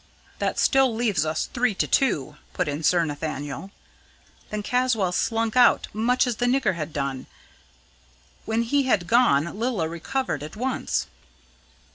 "That still leaves us three to two!" put in Sir Nathaniel. "Then Caswall slunk out, much as the nigger had done. When he had gone, Lilla recovered at once."